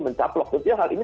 mencaplok maksudnya hal ini